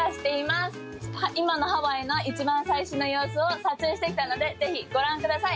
今のハワイの一番最新の様子を撮影してきたのでぜひご覧ください。